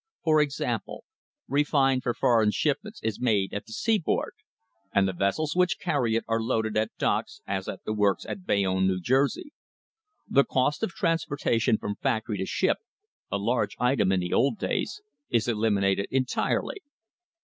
For example, refined for foreign shipments is made at the seaboard, and the vessels which carry it are loaded at docks, as at the works at Bayonne, New Jersey. The cost of transportation from factory to ship, a large item in the old days, is eliminated entirely.